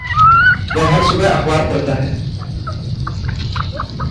वह हर सुबह अखबार पढ़ता है।